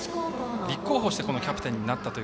立候補してキャプテンになったと。